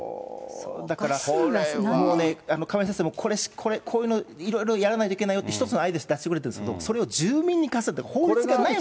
だからもうね、亀井先生も、こういうのいろいろやらないといけないよって、一つのアイデアを出してくれてるんですけど、亀井先生、法律が。